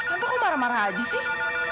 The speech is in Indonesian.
entah kok marah marah aja sih